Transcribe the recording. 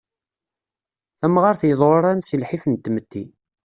Tamɣart yeḍruran si lḥif n tmetti.